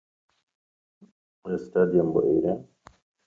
تەنها گۆڕەکەم لە ڕێی خیڵان بێ نزیک هەوارگەی جاف و کۆران بێ